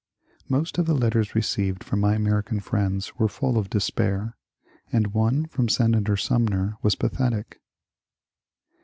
Most of the letters received from my American friends were full of despair, and one from Senator Sumner was pathetic.